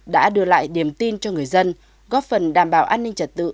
đã đưa lại niềm tin cho người dân góp phần đảm bảo an ninh trật tự